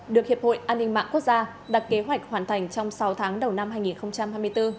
được hiệp hội an ninh mạng quốc gia đặt kế hoạch hoàn thành trong sáu tháng đầu năm hai nghìn hai mươi bốn